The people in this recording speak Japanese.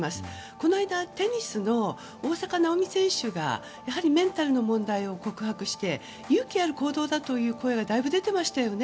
この間テニスの大坂なおみ選手がメンタルの問題を告白して勇気ある行動だという声がだいぶ出てましたよね。